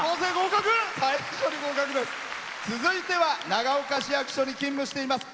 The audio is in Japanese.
続いては長岡市役所に勤務しています。